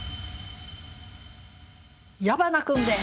矢花君です。